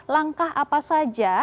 langkah apa saja